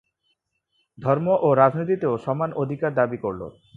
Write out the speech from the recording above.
ধর্ম এবং রাজনীতিতেও সমান অধিকার দাবী করল।